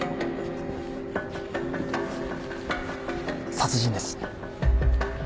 殺人です。